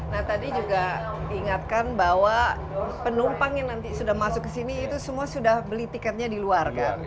nah tadi juga diingatkan bahwa penumpang yang nanti sudah masuk ke sini itu semua sudah beli tiketnya di luar kan